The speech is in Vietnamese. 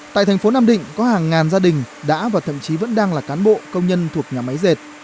tại thành phố nam định có hàng ngàn gia đình đã và thậm chí vẫn đang là cán bộ công nhân thuộc nhà máy dệt